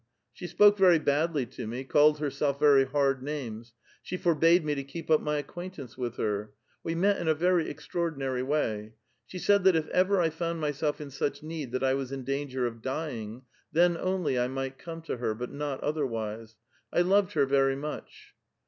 She spoke very badly to me, called herself very hard names ; she forbade me to keep up my acquaintance with her ; we met in a very extraordinary way ; she said that if ever I found myself in such need that I was in danger of dying, then only 1 might come to her, but not otherwise ; I loved her verv much."